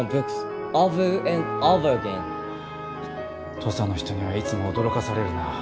土佐の人にはいつも驚かされるな。